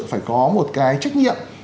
phải có một cái trách nhiệm